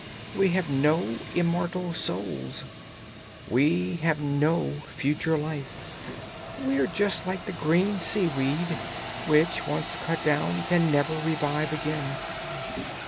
We have no immortal souls; we have no future life; we are just like the green sea weed, which, once cut down, can never revive again!